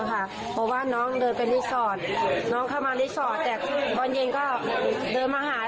เพราะว่าน้องเดินไปรีสอร์ทน้องเข้ามารีสอร์ทแต่ตอนเย็นก็เดินมาหา